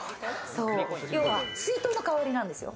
水筒の代わりなんですよ。